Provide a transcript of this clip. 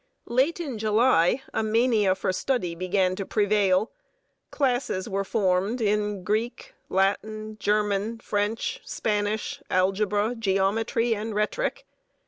Late in July, a mania for study began to prevail. Classes were formed in Greek, Latin, German, French, Spanish, Algebra, Geometry, and Rhetoric.